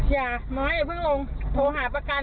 อย่าไม้เอาเพิ่งลงโทรหาประกัน